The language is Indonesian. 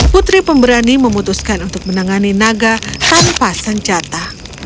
putri pemberani memutuskan untuk menangani naga tanpa senjata